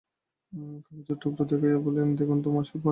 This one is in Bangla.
কাগজের টুকরা দেখাইয়া বলিল, দেখুন তো মশাই পড়ে, এই রকম যদি লিখি তবে হয়?